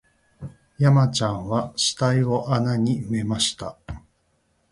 山ちゃんは死体を穴に埋めました